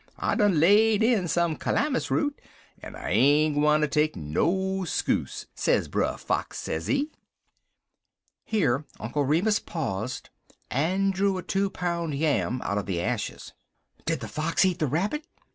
I done laid in some calamus root, en I ain't gwineter take no skuse,' sez Brer Fox, sezee." Here Uncle Remus paused, and drew a two pound yam out of the ashes. "Did the fox eat the rabbit?"